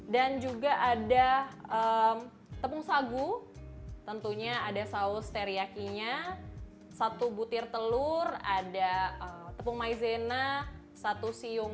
dan juga ada tepung sagu tentunya ada saus teriyaki nya satu butir telur ada tepung maizena satu siung